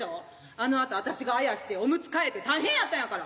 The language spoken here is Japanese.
あのあと私があやしておむつ替えて大変やったんやから。